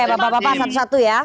ya bapak bapak satu satu ya